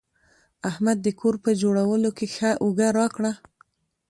احمد د کور په جوړولو کې ښه اوږه راکړه.